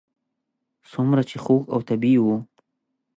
څومره چې خوږ او طبیعي و.